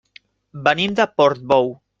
Venim de Portbou.